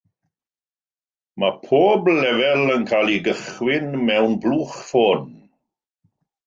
Mae pob lefel yn cael ei gychwyn mewn blwch ffôn.